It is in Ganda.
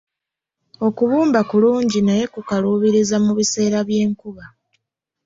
Okubumba kulungi naye kukaluubiriza mu biseera by'enkuba.